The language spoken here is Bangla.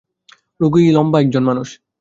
রোগী লম্বা এক জন মানুষ।